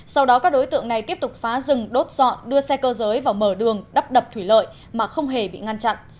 sau đó các đối tượng này tiếp tục phá rừng đốt dọn đưa xe cơ giới vào mở đường đắp đập thủy lợi mà không hề bị ngăn chặn